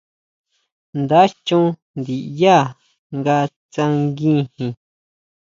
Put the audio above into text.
Nda chon ndinyá nga tsanguijin.